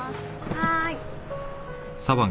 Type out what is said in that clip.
はい。